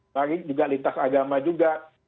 lagi juga lintas agama juga